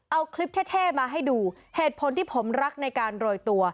เอาคลิปเท่มาให้ดูเหตุผลที่ผมรักในการโรยตัว